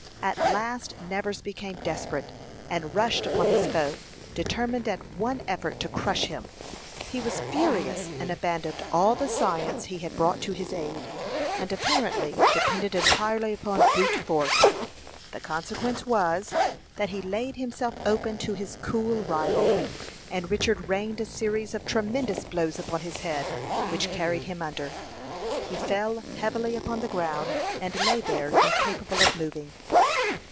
At last Nevers became desperate, and rushed upon his foe, determined at one effort to crush him. He was furious, and abandoned all the science he had brought to his aid, and apparently depended entirely upon brute force. The consequence was, that he laid himself open to his cool rival, and Richard rained a series of tremendous blows upon his head, which carried him under. He fell heavily upon the ground, and lay there incapable of moving.